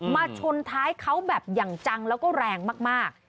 ชนท้ายเขาแบบอย่างจังแล้วก็แรงมาก